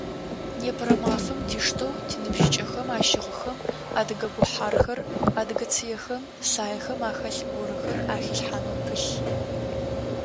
Непэрэ мафэм диштэу тиныбжьыкӏэхэм ащыгъхэм адыгэ гухьархэр, адыгэ цыехэм, саехэм ахэлъ горэхэр ахилъхьанэу пылъ.